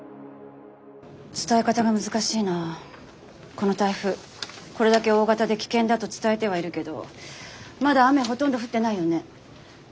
この台風これだけ大型で危険だと伝えてはいるけどまだ雨ほとんど降ってないよね。